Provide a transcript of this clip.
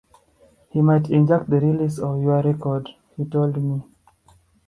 'He might injunct the release of your record,' he told me.